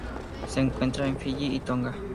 Se encuentra en Fiyi y Tonga.